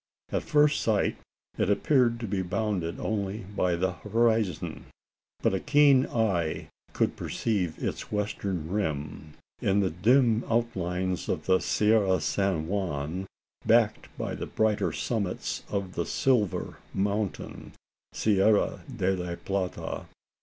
At first sight, it appeared to be bounded only by the horizon; but a keen eye could perceive its western rim in the dim outlines of the Sierra San Juan, backed by the brighter summits of the "Silver" Mountains (Sierra de la plata).